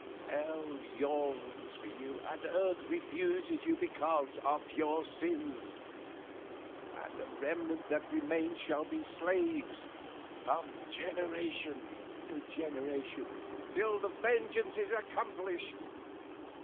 Hell yawns for you and Earth refuses you because of your sins, and the remnant that remains shall be slaves from generation to generation, till the vengeance is accomplished!"